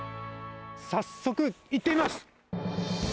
早速、行ってみます。